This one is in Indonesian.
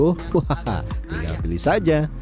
wah tinggal beli saja